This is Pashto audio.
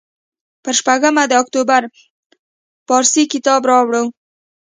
پر شپږمه د اکتوبر پارسي کتاب راوړ.